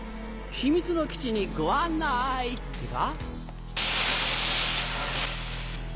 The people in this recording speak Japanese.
秘密の基地にご案内ってか？